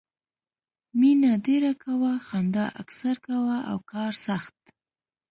مینه ډېره کوه، خندا اکثر کوه او کار سخت.